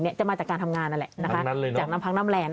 ก็เลยมีโอกาสว่าอาจจะได้ลาบมาแบบพลุกด้วยสำหรับราศีสิง